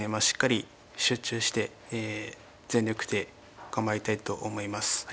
しっかり集中して全力で頑張りたいと思います。